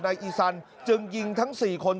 อีซันจึงยิงทั้ง๔คน